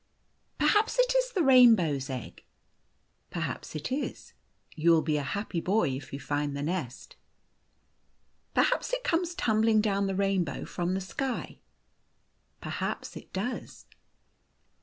" Perhaps it is the rainbow's egg." " Perhaps it is. You will be a happy boy if you find the nest." " Perhaps it comes tumbling down the rainbow from the sky." " Perhaps it does."